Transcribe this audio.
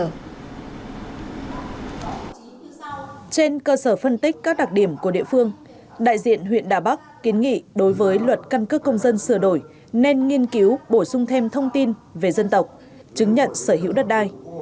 trên cơ sở phân tích các đặc điểm của địa phương đại diện huyện đà bắc kiến nghị đối với luật căn cước công dân sửa đổi nên nghiên cứu bổ sung thêm thông tin về dân tộc chứng nhận sở hữu đất đai